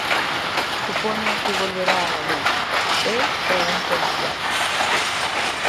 Supoño que volverá a gañar: el ou un confrade.